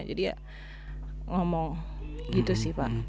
jadi ya ngomong gitu sih pak